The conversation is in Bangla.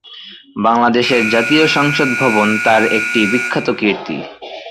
বাংলাদেশের জাতীয় সংসদ ভবন তার একটি বিখ্যাত কীর্তি।